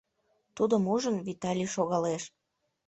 Тудым ужын, Виталий шогалеш.